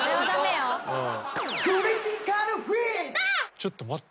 ちょっと待って。